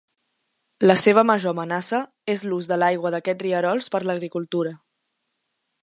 La seva major amenaça és l'ús de l'aigua d'aquests rierols per l'agricultura.